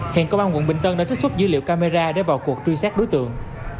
hiện công an quận bình tân đã trích xuất dữ liệu camera để vào cuộc truy xét đối tượng